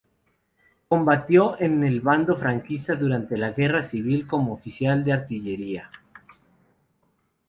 Combatió en el bando franquista durante la Guerra Civil como oficial de Artillería.